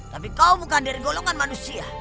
tapi kau bukan dari golongan manusia